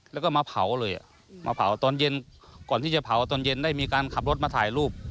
แล้วก็มาเผาเลยมาเผาตอนเย็นก่อนที่จะเผาตอนเย็นได้มีการขับรถมาถ่ายรูป